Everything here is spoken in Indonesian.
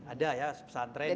ada ya pesantren yang